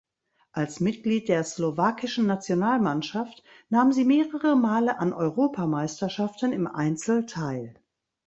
Als Mitglied der slowakischen Nationalmannschaft nahm sie mehrere Male an Europameisterschaften im Einzel teil.